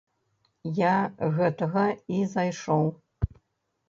Я гэтага і зайшоў.